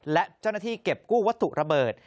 และเจ้าหน้าที่เก็บกู้วัตถุระเบิด